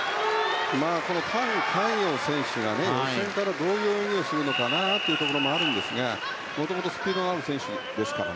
タン・カイヨウ選手が予選からどういうレースをするのかもあるんですがもともとスピードのある選手ですから。